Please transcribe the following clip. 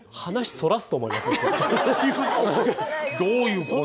どういうことよ。